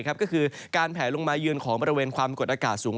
ก็คือการแผลลงมายืนของบริเวณความกดอากาศสูง